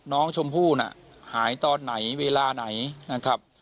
น้องชมพู่น่ะหายตอนไหนเวลาไหนนะครับ